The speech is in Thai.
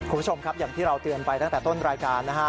คุณผู้ชมครับอย่างที่เราเตือนไปตั้งแต่ต้นรายการนะฮะ